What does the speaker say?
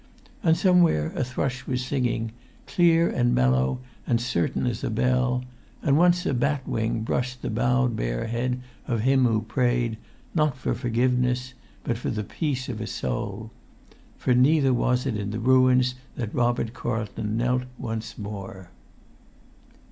And somewhere a thrush was singing, clear and mellow and certain as a bell; and once a bat's wing brushed the bowed bare head of him who prayed not for forgiveness but for the peace of a soul; for neither was it in the ruins that Robert Carlton knelt once more.